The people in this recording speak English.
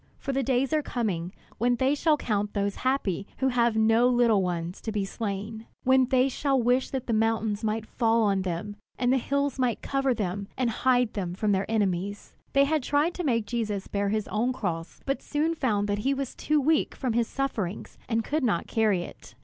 For the days are coming when they shall count those happy who have no little ones to be slain; when they shall wish that the mountain might fall on them, and the hills might cover them, and hide them from their enemies!" They had tried to make Jesus bear his own cross, but soon found that he was too weak from his sufferings, and could not carry it.